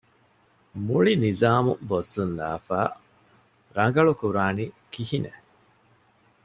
މުޅި ނިޒާމު ބޮއްސުންލާފައި، ރަނގަޅުކުރާނީ ކިހިނެއް؟